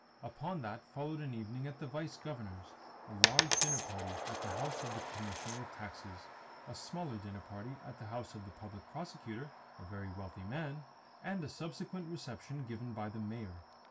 Upon that followed an evening at the Vice Governor's, a large dinner party at the house of the Commissioner of Taxes, a smaller dinner party at the house of the Public Prosecutor (a very wealthy man), and a subsequent reception given by the Mayor.